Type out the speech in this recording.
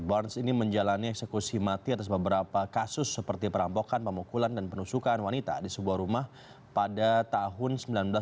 barce ini menjalani eksekusi mati atas beberapa kasus seperti perampokan pemukulan dan penusukan wanita di sebuah rumah pada tahun seribu sembilan ratus sembilan puluh